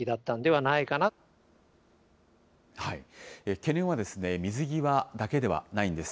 懸念は水際だけではないんです。